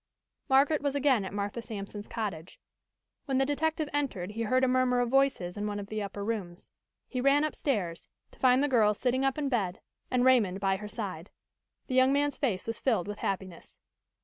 Margaret was again at Martha Sampson's cottage. When the detective entered he heard a murmur of voices in one of the upper rooms. He ran upstairs, to find the girl sitting up in bed and Raymond by her side. The young man's face was filled with happiness.